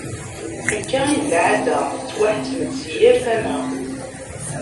Akka i d lεada, tettwaḥettem-d si yal tama.